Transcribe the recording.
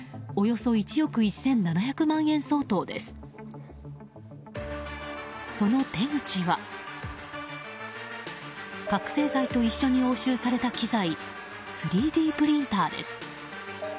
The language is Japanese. その手口は覚醒剤と一緒に押収された機材３Ｄプリンターです。